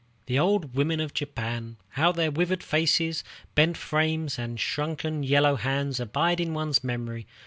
The old women of Japan, how their withered faces, bent frames, and shrunken, yellow hands abide in one's memory!